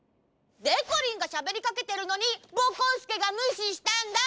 でこりんがしゃべりかけてるのにぼこすけがむししたんだ。